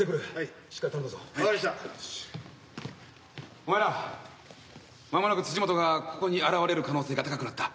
お前ら間もなく辻本がここに現れる可能性が高くなった。